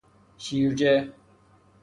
شیرجه